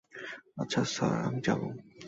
আচ্ছা, স্যার, আমি যাবো।